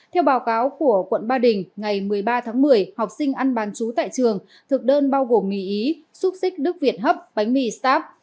theo báo cáo của quận ba đình ngày một mươi ba tháng một mươi học sinh ăn bán chú tại trường thực đơn bao gồm mì ý xúc xích đức việt hấp bánh mì start